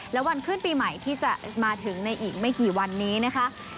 และวันขึ้นปีใหม่ที่จะมาถึงในอีกไม่กี่วันนี้นะคะ